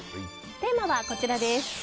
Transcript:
テーマはこちらです。